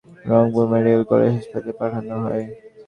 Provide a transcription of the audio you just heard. পরে অবস্থার অবনতি হলে তাঁকে রংপুর মেডিকেল কলেজ হাসপাতালে পাঠানো হয়।